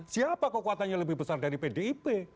siapa kekuatannya lebih besar dari pdip